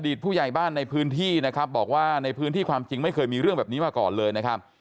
ผู้ใหญ่บ้านในพื้นที่นะครับบอกว่าในพื้นที่ความจริงไม่เคยมีเรื่องแบบนี้มาก่อนเลยนะครับ